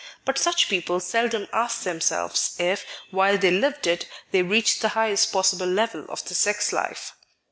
But such people seldom ask themselves if, while they lived it, they reached the highest possible level of the sex life.